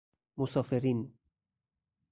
مسافرین